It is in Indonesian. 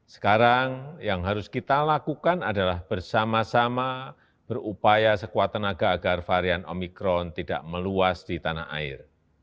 sekarang yang harus kita lakukan adalah bersama sama berupaya sekuat tenaga agar varian omikron tidak meluas di tanah air